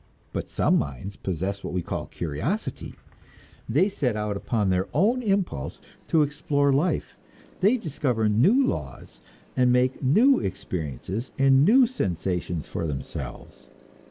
But some minds possess what we call curiosity; they set out upon their own impulse to explore life; they discover new laws and make new experiences and new sensations for themselves.